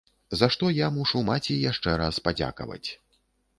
За што я мушу маці яшчэ раз падзякаваць.